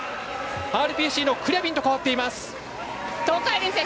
ＲＰＣのクリャビンと変わっています。